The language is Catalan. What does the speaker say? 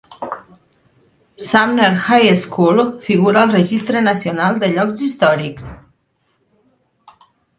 Sumner High School figura al Registre Nacional de Llocs Històrics.